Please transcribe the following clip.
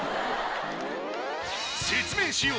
説明しよう。